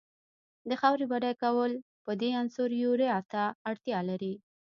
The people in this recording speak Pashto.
د خاورې بډای کول په دې عنصر یوریا ته اړتیا لري.